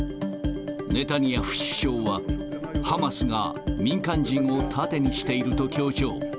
ネタニヤフ首相は、ハマスが民間人を盾にしていると強調。